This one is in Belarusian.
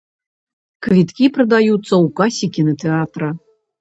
Квіткі прадаюцца ў касе кінатэатра.